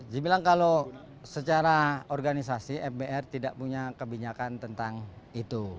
dibilang kalau secara organisasi fbr tidak punya kebijakan tentang itu